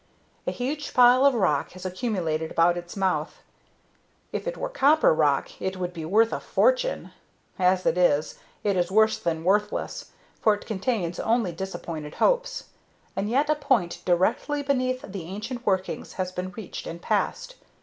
A huge pile of rock has accumulated about its mouth. If it were copper rock it would be worth a fortune; as it is, it is worse than worthless, for it contains only disappointed hopes. And yet a point directly beneath the ancient workings has been reached and passed.